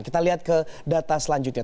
kita lihat ke data selanjutnya